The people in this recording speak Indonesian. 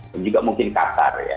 dan juga mungkin qatar ya